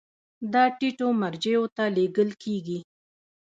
دا ټیټو مرجعو ته لیږل کیږي.